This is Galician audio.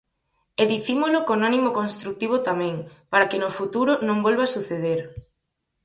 E dicímolo con ánimo construtivo tamén, para que no futuro non volva suceder.